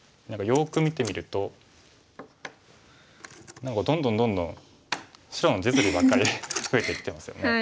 よく見てみるとどんどんどんどん白の実利ばっかり増えていってますよね。